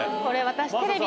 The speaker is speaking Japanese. これ私。